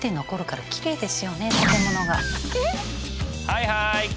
はいはい！